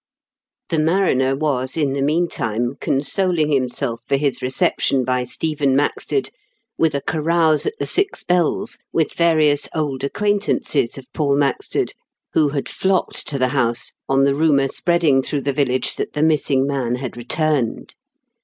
The mariner was, in the meantime, consol ing himself for his reception by Stephen Maxted with a carouse at The Six Bells with various old acquaintances of Paul Maxted, who had THE KING*8 PRESS. 285 flocked to the house on the rumour spreading through the village that the missing man had returned.